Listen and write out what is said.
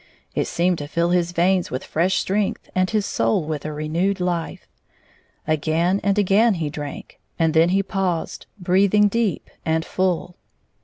It seemed to fill his veins with fresh strength and his soul with a renewed life. Again and again he drank, and then he paused, breathing deep and frill.